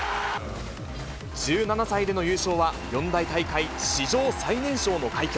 １７歳での優勝は、四大大会史上最年少の快挙。